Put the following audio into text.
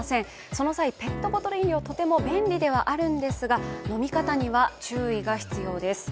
その際、ペットボトル飲料はとても便利ではあるんですが、飲み方には注意が必要です。